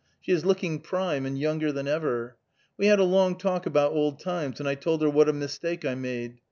She is looking prime, and younger than ever. We had a long talk about old times, and I told her what a mistake I made.